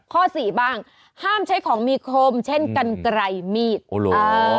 ข้อสี่บ้างห้ามใช้ของมีคมเช่นกันไกรมีดโอ้โห